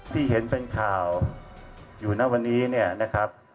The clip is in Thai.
ที่เห็นเป็นข่าวอยู่ณวันนี้เนี่ยนะครับ